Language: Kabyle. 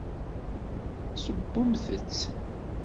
Ssewwent-tt?